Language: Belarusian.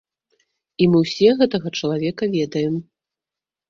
І мы ўсе гэтага чалавека ведаем.